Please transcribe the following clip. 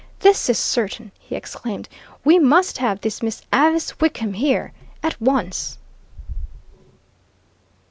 "This is certain!" he exclaimed. "We must have this Miss Avice Wickham here at once!"